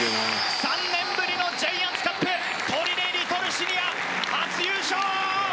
３年ぶりのジャイアンツカップ取手リトルシニア初優勝！